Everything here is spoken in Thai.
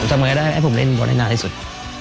มีความสุขกับการเล่นฟุตบอลให้น่าที่สุด